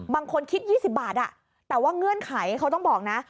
บางคนคิด๒๐บาทแต่ว่าเงื่อนไขเขาต้องบอกนะ